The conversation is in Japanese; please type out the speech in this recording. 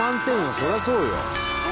そりゃそうよ。